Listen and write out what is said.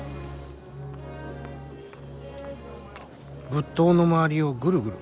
仏塔の周りをぐるぐる。